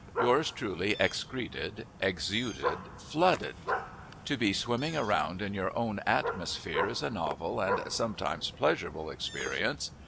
Yours Truly excreted, exuded, flooded. To be swimming around in your own atmosphere is a novel and sometimes pleasurable experience.